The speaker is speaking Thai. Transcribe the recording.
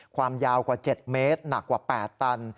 ความยาวกว่า๗เมตรหนักกว่า๘ตัน